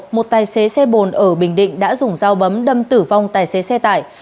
một tài xế xe bồn ở bình định đã dùng dao bấm đâm tử vong tài xế xe tải